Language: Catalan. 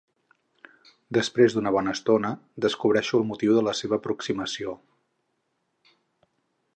Després d'una bona estona descobreixo el motiu de la seva aproximació.